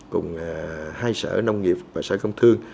cùng hai sở nông nghiệp và sở công thương